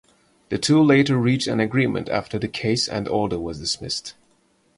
The two later reached an agreement after the case and order was dismissed.